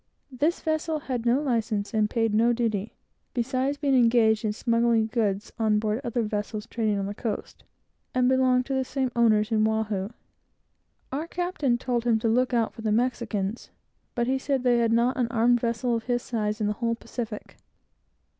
This vessel had no license, and paid no duty, besides being engaged in smuggling goods on board other vessels trading on the coast, and belonging to the same owners in Oahu. Our captain told him to look out for the Mexicans, but he said they had not an armed vessel of his size in the whole Pacific.